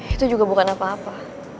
itu juga bukan apa apa